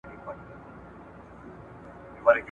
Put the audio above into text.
په ژوندوني سو کمزوری لکه مړی ..